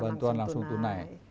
bantuan langsung tunai